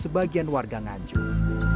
hidup sebagian warga nganjung